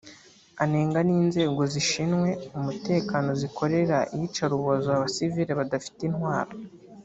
anenga n’inzego zishinwe umutekano zikorera iyicarubozo abasivili badafite intwaro